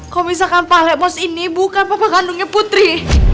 kau misalkan pahala bos ini bukan papa kandungnya putri